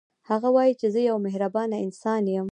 هغه وايي چې زه یو مهربانه انسان یم